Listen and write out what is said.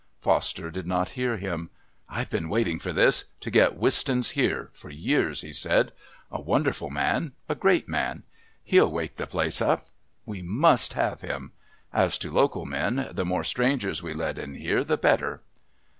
Foster did not hear him. "I've been waiting for this to get Wistons here for years," he said. "A wonderful man a great man. He'll wake the place up. We must have him. As to local men, the more strangers we let in here the better."